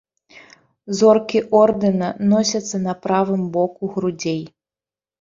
Зоркі ордэна носяцца на правым боку грудзей.